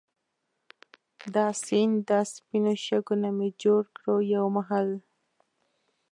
دا سیند دا سپينو شګو نه مي جوړ کړو يو محل